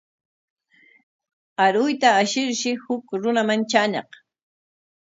Aruyta ashirshi huk runaman traañaq.